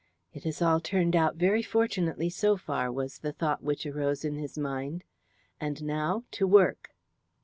"It has all turned out very fortunately, so far," was the thought which arose in his mind. "And now to work."